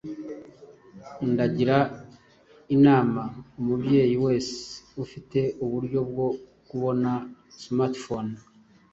ndagira inama umubyeyi wese ufite uburyo bwo kubona smart phone